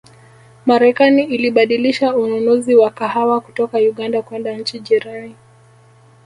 Marekani ilibadilisha ununuzi wa kahawa kutoka Uganda kwenda nchi jirani